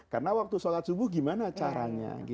karena waktu sholat subuh gimana caranya